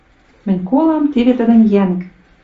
Мӹнь колам, теве тӹдӹн йӓнг